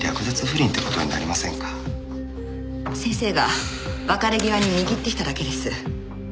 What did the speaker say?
先生が別れ際に握ってきただけです。